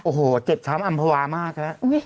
โอ้โหเจ็บช้ำอำภาวามากฮะ